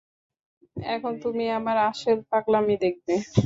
এখন তুমি আমার আসল পাগলামি দেখবে।